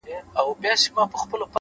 دلته ولور گټمه ـ